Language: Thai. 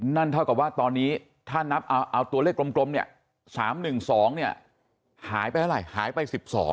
นั่นเท่ากับว่าตอนนี้ถ้านับเอาตัวเลขกลมเนี่ย๓๑๒เนี่ยหายไปเท่าไหร่หายไป๑๒